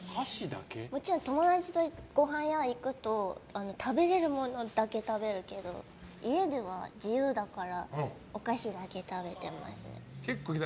もちろん友達とごはん屋行くと食べられるものだけ食べるけど家では自由だからお菓子だけ食べてます。